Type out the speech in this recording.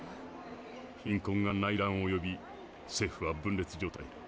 貧困が内乱を呼び政府は分れつ状態。